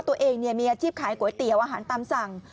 ตัวเองมีอาชีพขายก๋วยเตี๋ยวอาหารตามสั่ง